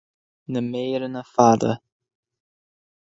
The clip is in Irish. Na méireanna fada